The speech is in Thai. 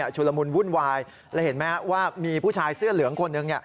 ชุลมุนวุ่นวายและเห็นไหมว่ามีผู้ชายเสื้อเหลืองคนหนึ่ง